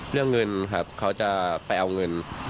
เรื่องเงินครับเขาจะไปเอาเงิน